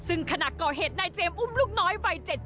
เรื่องนี้เกิดอะไรขึ้นไปเจาะลึกประเด็นร้อนจากรายงานค่ะ